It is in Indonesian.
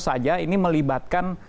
saja ini melibatkan